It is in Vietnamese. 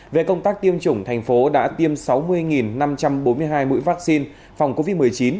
về công tác tiêm chủng thành phố đã tiêm sáu mươi năm trăm bốn mươi hai mũi vaccine phòng covid một mươi chín